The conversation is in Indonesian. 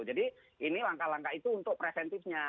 jadi ini langkah langkah itu untuk preventifnya